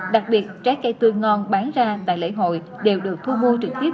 đặc biệt trái cây tươi ngon bán ra tại lễ hội đều được thu mua trực tiếp